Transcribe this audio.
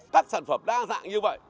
các sản phẩm đa dạng như vậy